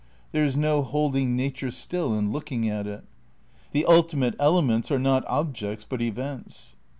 "There is no holding nature still and looking at it." The ultimate elements are not objects but events.